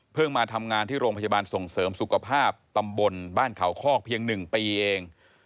มาทำงานที่โรงพยาบาลส่งเสริมสุขภาพตำบลบ้านเขาคอกเพียง๑ปีเอง